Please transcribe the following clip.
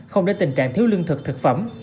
không đến tình trạng thiếu lương thực thực phẩm